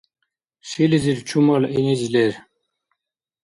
Шилизир чумал гӀиниз лер